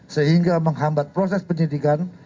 sehingga menghambat proses penyidikan